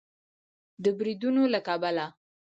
د بریدونو له کبله